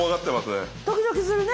ドキドキするね。